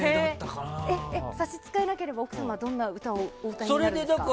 差し支えなければ、奥さんはどんな歌を歌うんですか？